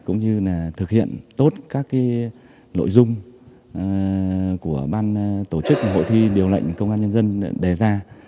ngoại trưởng chức hội thi điều lệnh công an nhân dân đề ra